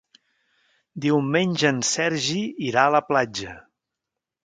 Diumenge en Sergi irà a la platja.